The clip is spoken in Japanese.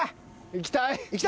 いきたい。